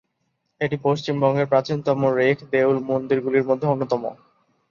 এটি পশ্চিমবঙ্গের প্রাচীনতম রেখ-দেউল মন্দিরগুলির মধ্যে অন্যতম।